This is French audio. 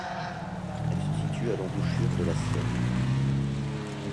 Elle se situe à l'embouchure de la Sienne.